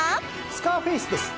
スカーフェイスです。